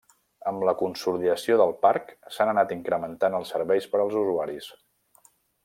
Amb la consolidació del Parc s'han anat incrementant els serveis per als usuaris.